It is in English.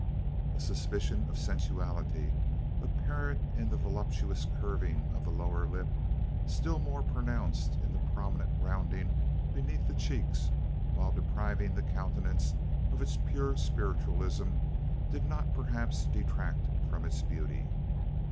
A suspicion of sensuality, apparent in the voluptuous curving of the lower lip still more pronounced in the prominent rounding beneath the cheeks while depriving the countenance of its pure spiritualism, did not perhaps detract from its beauty.